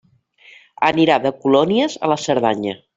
Anirà de colònies a la Cerdanya.